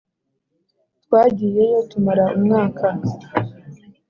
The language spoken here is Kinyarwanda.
Twagiyeyo tumara umwaka